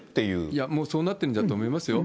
いや、もうそうなってるんだと思いますよ。